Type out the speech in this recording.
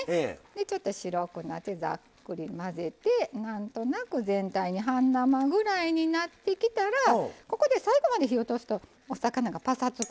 ちょっと白くなってざっくり混ぜてなんとなく全体に半生ぐらいになってきたらここで最後まで火を通すとお魚がパサつく